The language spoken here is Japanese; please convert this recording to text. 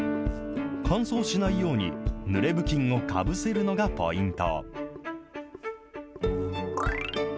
乾燥しないように、ぬれ布巾をかぶせるのがポイント。